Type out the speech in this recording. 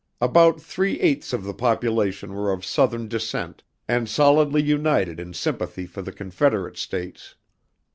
About three eighths of the population were of southern descent and solidly united in sympathy for the Confederate states.